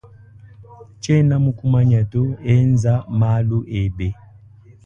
Tshiena mukumanya to enza malu ebe.